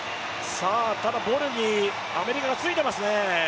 ただ、ボルにアメリカがついていますね。